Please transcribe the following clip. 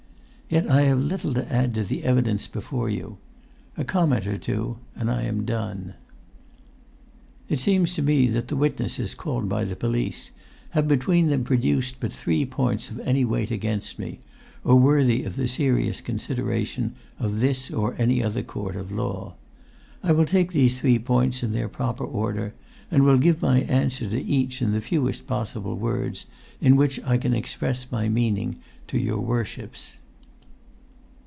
Yet I have little to add to the evidence before you; a comment or two, and I am done. "It seems to me that the witnesses called by the police have between them produced but three points of any weight against me, or worthy of the serious[Pg 178] consideration of this or any other court of law. I will take these three points in their proper order, and will give my answer to each in the fewest possible words in which I can express my meaning to your worships.